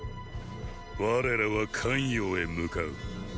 我らは咸陽へ向かう。